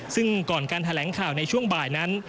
ซึ่งก่อนการแถลงข่าวในช่วงบ่ายนั้น